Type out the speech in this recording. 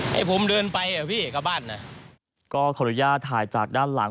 ให้ผมเดินไปอ่ะพี่กลับบ้านน่ะก็ขออนุญาตถ่ายจากด้านหลัง